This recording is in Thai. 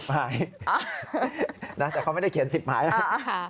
หายนะแต่เขาไม่ได้เขียน๑๐หมายนะ